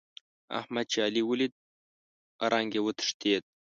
احمد چې علي وليد؛ رنګ يې وتښتېد.